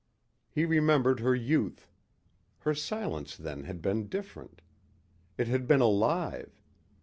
He remembered her youth. Her silence then had been different. It had been alive.